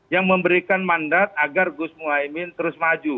yang memberikan mandat agar gus muhaymin terus maju